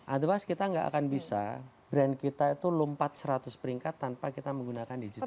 aduh bahas kita tidak akan bisa brand kita itu lompat seratus peringkat tanpa kita menggunakan digital media